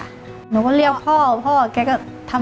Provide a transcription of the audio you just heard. ท่านจะชอบแกล้งบางทีหนูกลับมาจากส่งลูกท่านก็แกล้งหลับแกล้งตายค่ะ